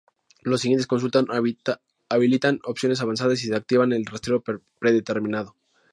Las siguientes consultas habilitan opciones avanzadas y desactivan el rastreo predeterminado.